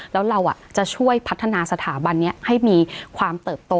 แล้วเราจะช่วยพัฒนาสถาบันนี้ให้มีความเติบโต